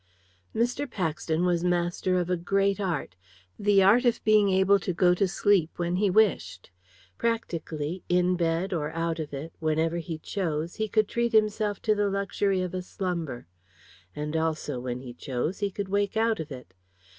Mr. Paxton was master of a great art the art of being able to go to sleep when he wished. Practically, in bed or out of it, whenever he chose, he could treat himself to the luxury of a slumber; and also, when he chose, he could wake out of it.